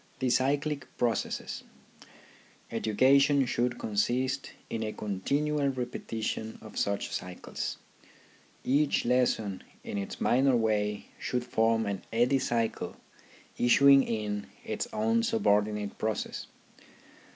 THE CYCLIC PROCESSES Education should consist in a continual repeti tion of such cycles. Each lesson in its minor way should forrji an eddy cycle issuing in its own subordinate process.